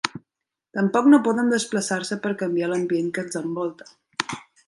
Tampoc no poden desplaçar-se per canviar l'ambient que els envolta.